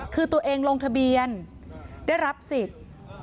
คือตัวเองลงทะเบียนได้รับสิทธิ์